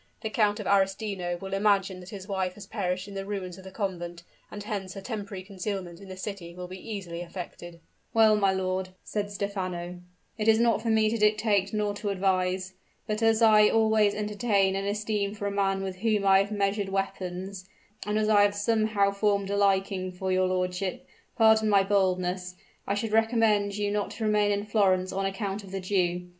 The Count of Arestino will imagine that his wife has perished in the ruins of the convent; and hence her temporary concealment in the city will be easily effected." "Well, my lord," said Stephano, "it is not for me to dictate nor to advise. But as I always entertain an esteem for a man with whom I have measured weapons and as I have somehow formed a liking for your lordship pardon my boldness I should recommend you not to remain in Florence on account of the Jew.